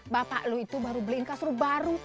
bapak lu itu baru belingkas lu baru